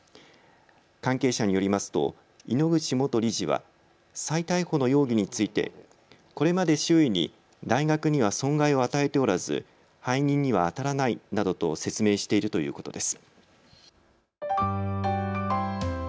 関係者によりますと井ノ口元理事は再逮捕の容疑についてこれまで周囲に大学には損害を与えておらず背任にはあたらないなどと説明しているということです。